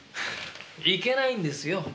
行けないんですよ。